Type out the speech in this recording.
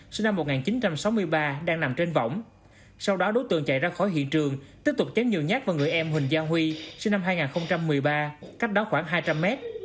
sinh năm một nghìn chín trăm sáu mươi ba đang nằm trên vỏng sau đó đối tượng chạy ra khỏi hiện trường tiếp tục chém nhiều nhát vào người em huỳnh gia huy sinh năm hai nghìn một mươi ba cách đó khoảng hai trăm linh mét